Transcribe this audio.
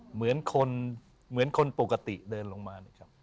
เหมือนคนปกติเดินลงมานะครับ